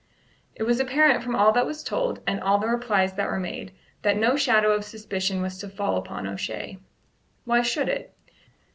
It was apparent from all that was told, and all the replies that were made, that no shadow of suspicion was to fall upon O'Shea. Why should it?